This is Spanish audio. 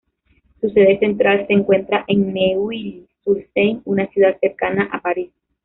Su sede central se encuentra en Neuilly-sur-Seine, una ciudad cercana a París.